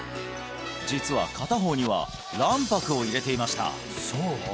実は片方には卵白を入れていました